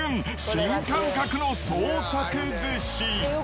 新感覚の創作寿司。